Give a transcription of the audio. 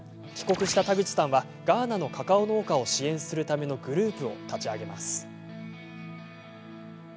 帰国した田口さんはガーナのカカオ農家を支援するためのグループを立ち上げます。